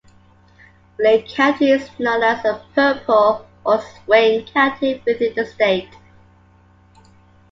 Lake County is known as a "purple" or "swing" county within the state.